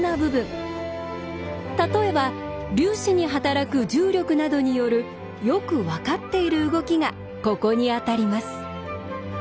例えば粒子に働く重力などによるよく分かっている動きがここに当たります。